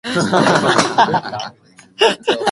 学生証の裏面